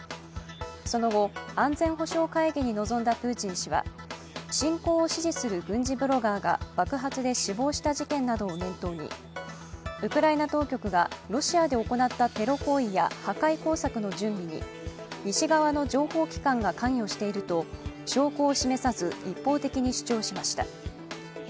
その後、安全保障会議に臨んだプーチン氏は侵攻を支持する軍事ブロガーが爆発で死亡した事件などを念頭に、ウクライナ当局がロシアで行ったテロ行為や破壊工作の準備に西側の情報機関が関与していると証拠を示さず、一方的に主張しました。